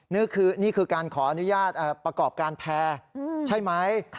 นี่คือการขออนุญาตประกอบการแพร่ใช่ไหม